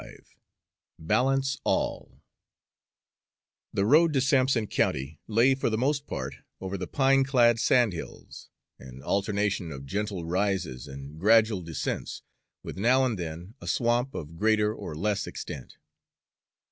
XXV BALANCE ALL The road to Sampson County lay for the most part over the pine clad sandhills, an alternation of gentle rises and gradual descents, with now and then a swamp of greater or less extent.